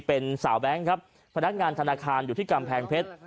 เป็นสาวแบงค์ครับพนักงานธนาคารอยู่ที่กำแพงเพชร